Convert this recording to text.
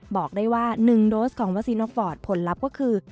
บอกได้ว่า๑โดสของวัคซีนกอร์ดผลลัพธ์ก็คือ